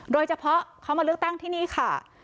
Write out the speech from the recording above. โดยเฉพาะเขามาเลือกตั้งที่นี่ค่ะ